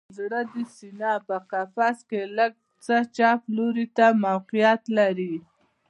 زړه د سینه په قفس کې لږ څه چپ لوري ته موقعیت لري